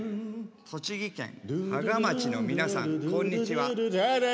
「栃木県芳賀町の皆さんこんにちは。